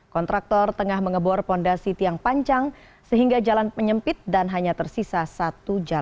kontraktor tengah mengebor pondasi tiang panjang sehingga jalan menyempit dan hanya tersisa sepanjang